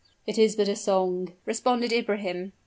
"It is but a song," responded Ibrahim.